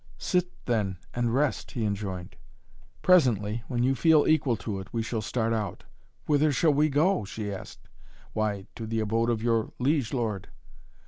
"Sit then and rest!" he enjoined. "Presently, when you feel equal to it, we shall start out!" "Whither shall we go?" she asked. "Why to the abode of your liege lord."